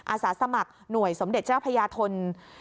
อาสาสมัครหน่วยสมเด็จเจ้าพญาทน